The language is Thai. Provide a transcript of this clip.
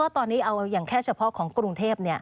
ตอนนี้ก็แค่เฉพาะของกรุงเทพ